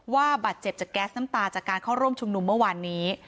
ว่าบาดเจ็บจากแก๊สน้ำตาจากการเข้าร่วมชุมนุมเมื่อวานนี้